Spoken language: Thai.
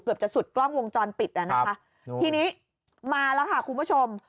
จะสุดกล้องวงจรปิดอ่ะนะคะทีนี้มาแล้วค่ะคุณผู้ชม